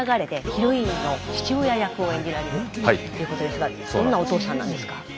ヒロインの父親役を演じられるということですがどんなお父さんなんですか？